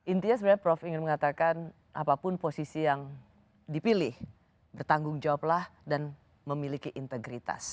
intinya sebenarnya prof ingin mengatakan apapun posisi yang dipilih bertanggung jawablah dan memiliki integritas